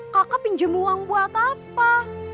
kakak pinjam uang buat apa